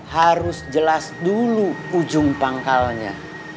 harus jelas dulu ujung pangkalnya